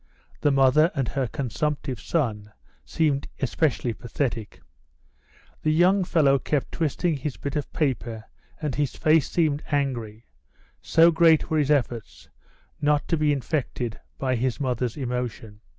The mother and her consumptive son seemed especially pathetic. The young fellow kept twisting his bit of paper and his face seemed angry, so great were his efforts not to be infected by his mother's emotion.